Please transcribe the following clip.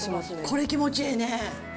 これ、気持ちええね。